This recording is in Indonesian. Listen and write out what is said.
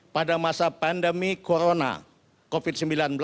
pada masa pandemi corona covid sembilan belas